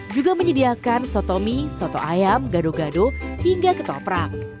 juga menyediakan sotomi soto ayam gado gado hingga ketoprak